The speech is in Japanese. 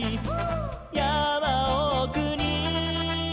「やまおくに」